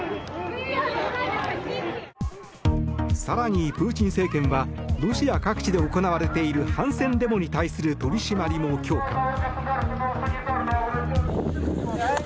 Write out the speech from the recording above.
更に、プーチン政権はロシア各地で行われている反戦デモに対する取り締まりも強化。